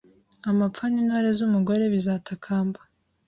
Amapfa nintore zumugore bizatakamba